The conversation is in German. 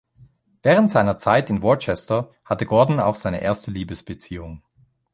Während seiner Zeit in Worcester hatte Gordon auch seine erste Liebesbeziehung.